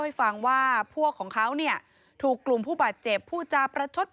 ให้ฟังว่าพวกของเขาเนี่ยถูกกลุ่มผู้บาดเจ็บผู้จาประชด